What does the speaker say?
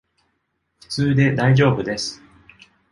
普通でだいじょうぶです